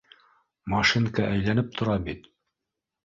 — Машинка әйләнеп тора бит.